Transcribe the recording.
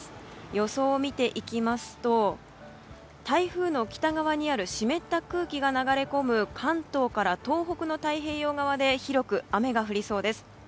予想を見ていきますと台風の北側にある湿った空気が流れ込む関東から東北の太平洋側で広く雨が降りそうです。